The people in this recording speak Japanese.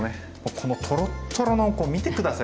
このとろっとろの見て下さい。